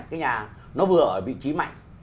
cái nhà nó vừa ở vị trí mạnh